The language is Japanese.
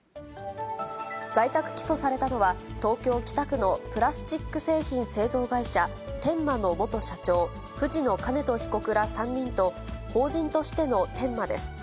在宅起訴されたのは、東京・北区のプラスチック製品製造会社、天馬の元社長、藤野兼人被告ら３人と、法人としての天馬です。